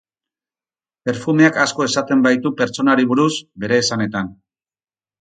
Perfumeak asko esaten baitu pertsonari buruz, bere esanetan.